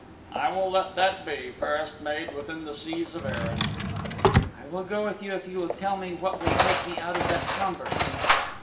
"I will let that be, fairest maid within the seas of Eirinn." "I will go with you if you will tell me what will take me out of that slumber."